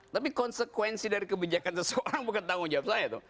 tapi konsekuensi dari kebijakan seseorang bukan tanggung jawab saya tuh